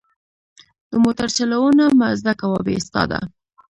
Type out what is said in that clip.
د موټر چلوونه مه زده کوه بې استاده.